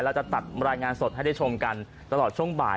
จะตัดรายงานสดให้ได้ชมกันตลอดช่วงบ่าย